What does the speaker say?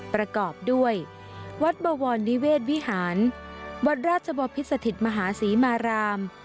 ประกอบด้วยวัดบวรนิเวศวิหารวัดราชบพิษสถิตมหาศรีมาราม